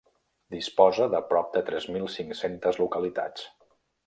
Disposa de prop de tres mil cinc-centes localitats.